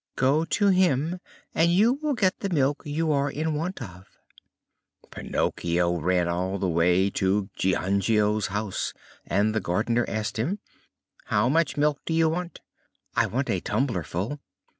Go to him and you will get the milk you are in want of." Pinocchio ran all the way to Giangio's house, and the gardener asked him: "How much milk do you want?" "I want a tumblerful."